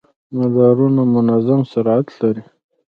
مدارونه منظم سرعت لري.